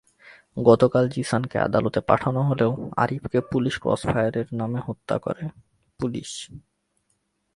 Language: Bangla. গতকাল জিসানকে আদালতে পাঠানো হলেও আরিফকে পুলিশ ক্রসফায়ারের নামে হত্যা করে পুলিশ।